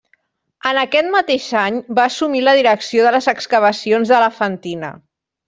En aquest mateix any, va assumir la direcció de les excavacions d'Elefantina.